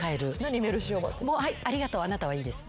「ありがとうあなたはいいです」